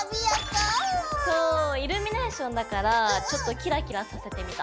そうイルミネーションだからちょっとキラキラさせてみた。